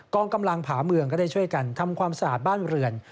องกำลังผาเมืองก็ได้ช่วยกันทำความสะอาดบ้านเรือน